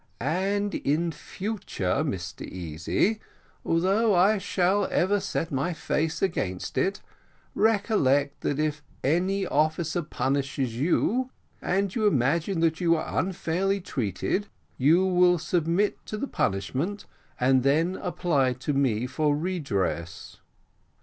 "And in future, Mr Easy, although I shall ever set my face against it, recollect that if any officer punishes you, and you imagine that you are unfairly treated, you will submit to the punishment, and then apply to me for redress."